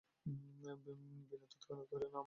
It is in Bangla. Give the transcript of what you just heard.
বিনয় তৎক্ষণাৎ কহিল, না, মানি নে।